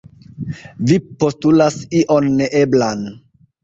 Vi postulas ion neeblan.